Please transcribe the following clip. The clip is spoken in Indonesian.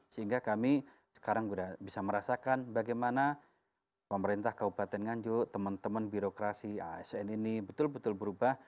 sehingga kami sekarang sudah bisa merasakan bagaimana pemerintah kabupaten nganjuk teman teman birokrasi asn ini betul betul berubah